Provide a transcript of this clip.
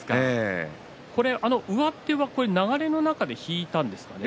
これは上手は流れの中で引いたんですかね？